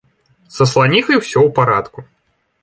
Са сланіхай усё ў парадку.